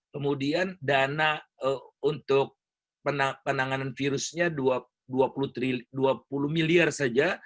kemudian dana untuk penanganan virusnya dua puluh miliar saja